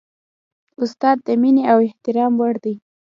استاد د مینې او احترام وړ دی.